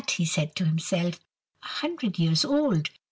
he said to himself. "A hundred years old!